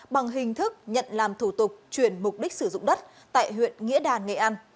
bằng hình thức nhận làm thủ tục chuyển mục đích sử dụng đất tại huyện nghĩa đàn nghệ an